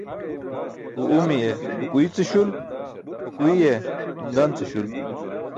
Uw umiye okuiy ce śul, okuiye hun dan ce śul.